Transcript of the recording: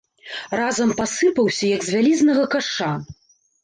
Разам пасыпаўся, як з вялізнага каша.